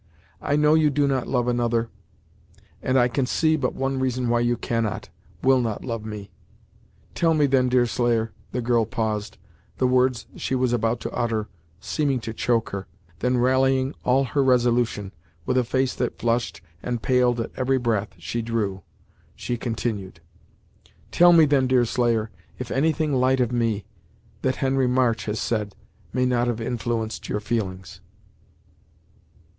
I know you do not love another and I can see but one reason why you cannot, will not love me. Tell me then, Deerslayer," The girl paused, the words she was about to utter seeming to choke her. Then rallying all her resolution, with a face that flushed and paled at every breath she drew, she continued. "Tell me then, Deerslayer, if anything light of me, that Henry March has said, may not have influenced your feelings?"